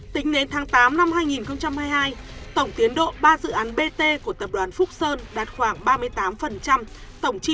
tính đến tháng tám năm hai nghìn hai mươi hai tổng tiến độ ba dự án bt của tập đoàn phúc sơn đạt khoảng ba mươi tám